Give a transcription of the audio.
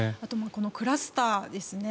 このクラスターですね。